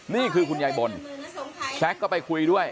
นี่คือคุณยายบนแซ็กก็ไปคุยด้วย